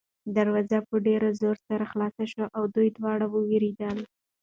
دروازه په ډېر زور سره خلاصه شوه او دوی دواړه ووېرېدل.